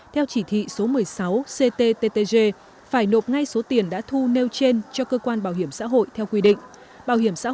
theo chỉ thị số một mươi sáu ctttg phải nộp ngay số tiền đã thu nêu trên cho cơ quan bảo hiểm xã hội theo quy định